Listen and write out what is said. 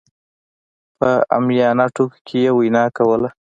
په عاميانه ټکو کې يې وينا کوله.